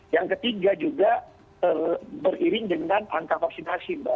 yang ketiga juga beriring dengan angka vaksinasi mbak